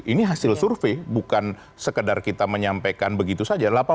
ini hasil survei bukan sekedar kita menyampaikan begitu saja